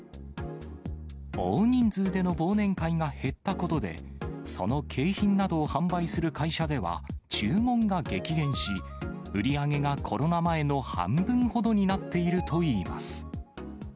大人数での忘年会が減ったことで、その景品などを販売する会社では、注文が激減し、売り上げがコロナ前の半分ほどになっているといいます。